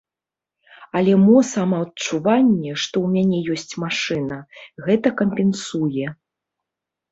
Але мо самаадчуванне, што ў мяне ёсць машына, гэта кампенсуе.